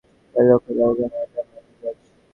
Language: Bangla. যারা দক্ষ তাদের জন্য এটা মামুলি কাজ।